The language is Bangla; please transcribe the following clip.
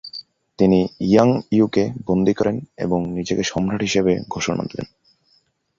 তিনি ইয়াং ইউকে বন্দী করেন এবং নিজেকে সম্রাট হিসেবে ঘোষণা দেন।